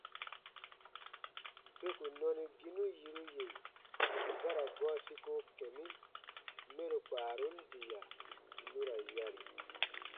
Beku nɔniginu yiru yè ba ra gɔɔ siko kɛ̃ mi mɛro kpaarun diya nu ra yari.